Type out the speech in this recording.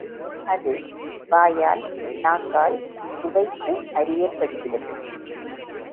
அது வாயால் நாக்கால் சுவைத்து அறியப்படுகிறது.